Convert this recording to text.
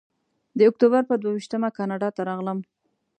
د اکتوبر پر دوه ویشتمه کاناډا ته راغلم.